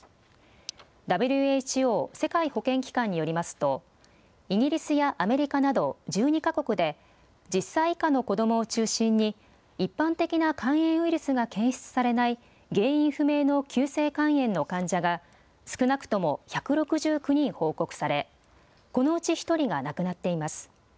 ＷＨＯ・世界保健機関によりますとイギリスやアメリカなど１２か国で１０歳以下の子どもを中心に一般的な肝炎ウイルスが検出されない原因不明の急性肝炎の患者が少なくとも１６９人報告されこのうち１人が亡くなっています。